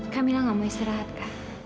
kak mila gak mau istirahat kak